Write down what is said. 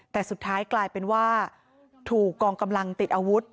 แต่สุดท้ายกลายเป็นว่าถูกกองกำลังติดอาวุธ